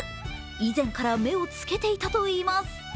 以前から目をつけていたといいます。